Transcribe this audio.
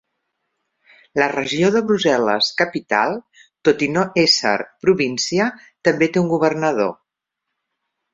La regió de Brussel·les-Capital, tot i no ésser província, també té un governador.